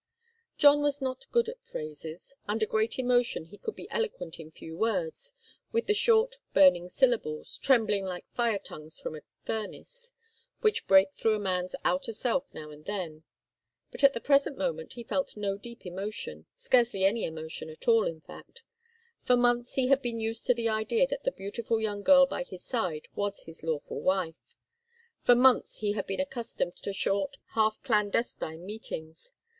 John was not good at phrases. Under great emotion he could be eloquent in few words with the short, burning syllables, trembling like fire tongues from a furnace, which break through a man's outer self now and then. But at the present moment he felt no deep emotion scarcely any emotion at all, in fact. For months he had been used to the idea that the beautiful young girl by his side was his lawful wife. For months he had been accustomed to short, half clandestine meetings.